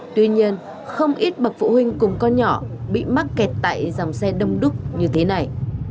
tuy nhiên không ít bậc phụ huynh cùng con nhỏ bị mắc kẹt tại dòng xe đông đúc như thế này